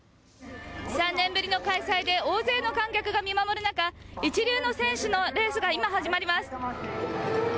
３年ぶりの開催で大勢の観客が見守る中、一流の選手のレースが今、始まります。